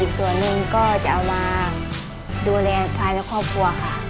ส่วนหนึ่งก็จะเอามาดูแลภายและครอบครัวค่ะ